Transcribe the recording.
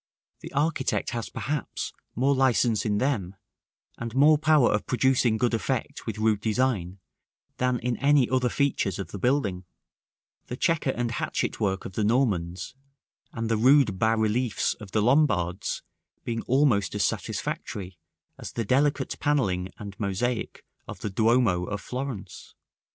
The architect has perhaps more license in them, and more power of producing good effect with rude design than in any other features of the building; the chequer and hatchet work of the Normans and the rude bas reliefs of the Lombards being almost as satisfactory as the delicate panelling and mosaic of the Duomo of Florence.